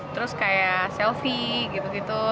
terus kayak selfie gitu gitu